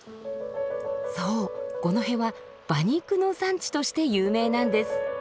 そう五戸は馬肉の産地として有名なんです。